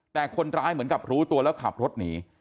แต่คนร้ายเหมือนกับรู้ตัวแล้วขับรถหนี